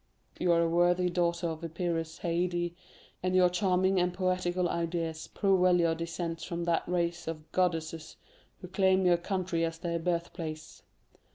"You are a worthy daughter of Epirus, Haydée, and your charming and poetical ideas prove well your descent from that race of goddesses who claim your country as their birthplace.